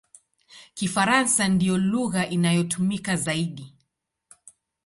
Kifaransa ndiyo lugha inayotumika zaidi.